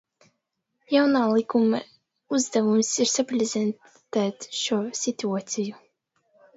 Jaunā likuma uzdevums ir sabalansēt šo situāciju.